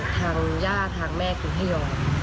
ทั้งยาทั้งแม่ดูให้ยอม